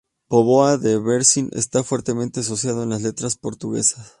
Póvoa de Varzim está fuertemente asociada a las letras portuguesas.